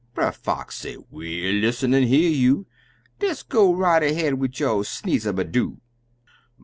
Brer Fox say, "We'll lissen an' hear you Des go right ahead wid yo' sneeze a ma roo!"